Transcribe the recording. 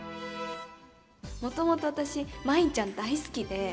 もともと私、まいんちゃん大好きで。